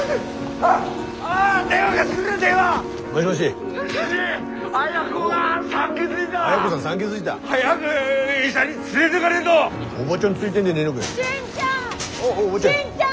あっおばちゃん。